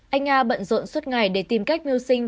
anh nga bận rộn suốt ngày để tìm cách mưu sinh